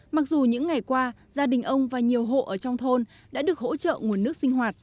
mặc dù những ngày qua gia đình ông và nhiều hộ ở trong thôn đã được hỗ trợ nguồn nước sinh hoạt